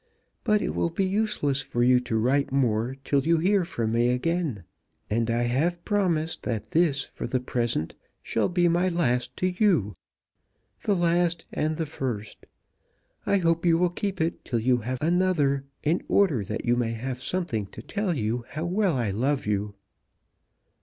But it will be useless for you to write more till you hear from me again; and I have promised that this, for the present, shall be my last to you. The last and the first! I hope you will keep it till you have another, in order that you may have something to tell you how well I love you."